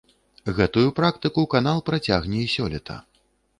Гэтую практыку канал працягне і сёлета.